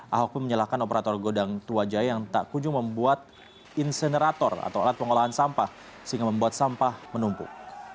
ahok pun menyalahkan operator godang tua jaya yang tak kunjung membuat insenerator atau alat pengolahan sampah sehingga membuat sampah menumpuk